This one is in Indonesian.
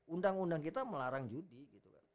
undang undang kita melarang judi gitu kan